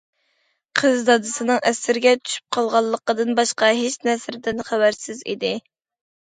قىز دادىسىنىڭ ئەسىرىگە چۈشۈپ قالغانلىقىدىن باشقا ھېچ نەرسىدىن خەۋەرسىز ئىدى.